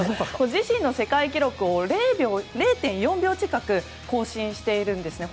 自身の世界記録を０．４秒近く更新しているんですね。